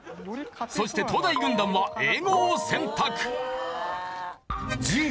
そして東大軍団は英語を選択。